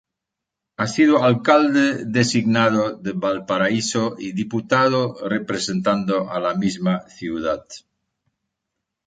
Ha sido alcalde designado de Valparaíso y diputado representando a la misma ciudad.